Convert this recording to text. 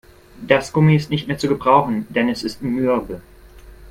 Das Gummi ist nicht mehr zu gebrauchen, denn es ist mürbe.